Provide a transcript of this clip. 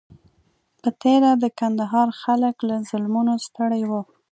په تېره د کندهار خلک له ظلمونو ستړي وو.